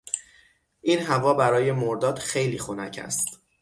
این هوا برای مرداد خیلی خنک است.